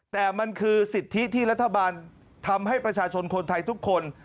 แต่มันคือสิทธิที่รัฐบาลทำให้ประชาชนคนไทยทุกคน